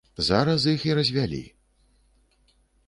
Зараз іх і развялі.